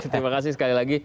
terima kasih sekali lagi